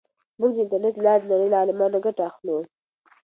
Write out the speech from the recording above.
موږ د انټرنیټ له لارې د نړۍ له عالمانو ګټه اخلو.